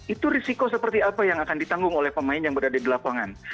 itu risiko seperti apa yang akan ditanggung oleh pemain yang berada di lapangan